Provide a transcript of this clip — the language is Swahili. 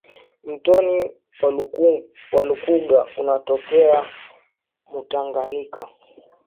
Mtoni wa lukuga unatokea mu tanganika